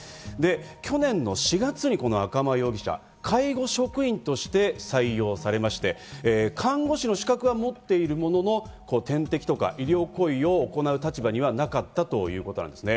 去年の４月に赤間容疑者、介護職員として採用されまして、看護師の資格は持っているものの点滴とか医療行為を行う立場にはなかったということなんですね。